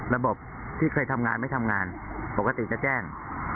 ระบบที่เคยทำงานไม่ทำงานปกติจะแจ้ง